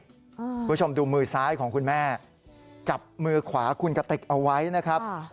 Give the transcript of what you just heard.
คุณผู้ชมดูมือซ้ายของคุณแม่จับมือขวาคุณกติกเอาไว้นะครับ